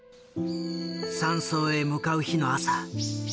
山荘へ向かう日の朝。